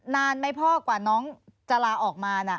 นานไม่พอกว่าน้องจะลาออกมาน่ะ